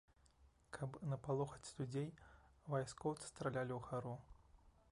Каб напалохаць людзей, вайскоўцы стралялі ўгару.